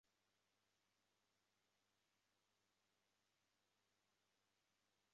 该组织中一些最随着被尼泊尔当局杀害或羁押了。